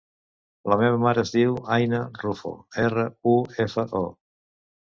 La meva mare es diu Aïna Rufo: erra, u, efa, o.